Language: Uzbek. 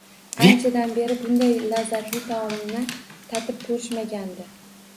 Anchadan beri bunday lazzatli taomni tatib ko`rishmagandi